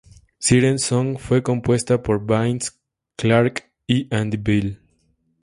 Siren Song fue compuesta por Vince Clarke y Andy Bell.